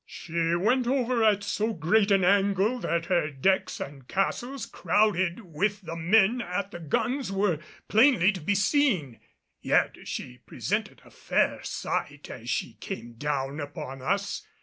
She went over at so great an angle that her decks and castles crowded with the men at the guns were plainly to be seen. Yet she presented a fair sight as she came down upon us.